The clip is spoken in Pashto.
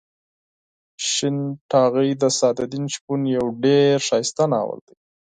شین ټاغۍ د سعد الدین شپون یو ډېر ښایسته ناول دی.